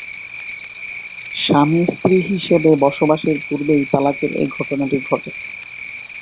স্বামী-স্ত্রী হিসেবে বসবাসের পূর্বেই তালাকের এ ঘটনাটি ঘটে।